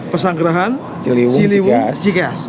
pasanggerahan ciliwung cikeas